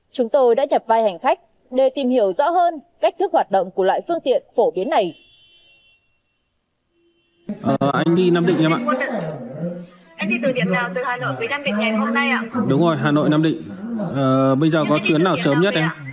chúng tôi đã nhập vai hành khách để tìm hiểu rõ hơn cách thức hoạt động của loại phương tiện phổ biến này